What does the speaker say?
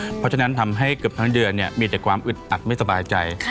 เพราะฉะนั้นทำให้เกือบทั้งเดือนมีแต่ความอึดอัดไม่สบายใจ